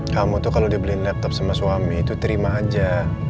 kamu tuh kalau dibeliin laptop sama suami itu terima aja